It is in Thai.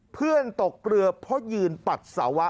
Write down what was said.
ตกเรือเพราะยืนปัสสาวะ